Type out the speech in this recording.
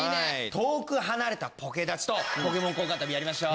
遠く離れたポケだちとポケモン交換旅やりましょう。